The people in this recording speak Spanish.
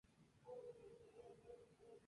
Fijó su residencia en Madrid.